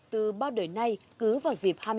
từ bao đời nay cứ vào dịp hai nghìn hai mươi một